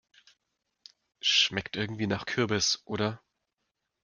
Schmeckt irgendwie nach Kürbis, oder?